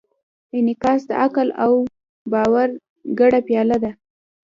انعکاس د عقل او باور ګډه پایله ده.